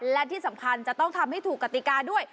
และที่สำคัญจะต้องทำให้ถูกกติกาด้วย